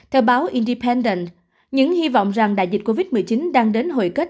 theo báo indipendent những hy vọng rằng đại dịch covid một mươi chín đang đến hồi kết